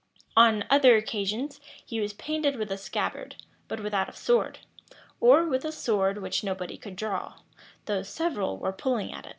On other occasions, he was painted with a scabbard, but without a sword, or with a sword which nobody could draw, though several were pulling at it.